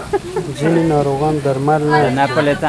ځینې ناروغان درمل نه اخلي.